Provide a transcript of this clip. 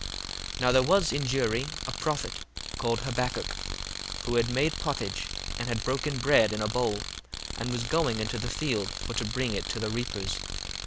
1:33 Now there was in Jewry a prophet, called Habbacuc, who had made pottage, and had broken bread in a bowl, and was going into the field, for to bring it to the reapers.